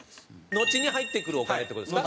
のちに入ってくるお金って事ですか？